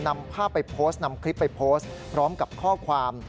นำภาพไปโพสต์นำคลิปไปโพสต์พร้อมกับข้อความ